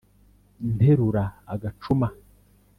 Nterura agacuma